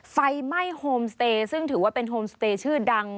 ไฟไหม้โฮมสเตย์ซึ่งถือว่าเป็นโฮมสเตย์ชื่อดัง